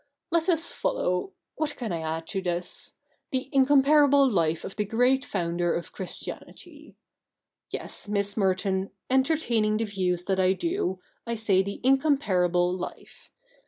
Let us follow — what can I add to this ?— the incomparable life of the great Founder of Christianity. Yes, Miss Merton, entertaining the views that I do, I say the incomparable life.